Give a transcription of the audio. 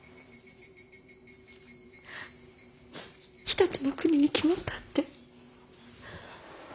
常陸国に決まったって。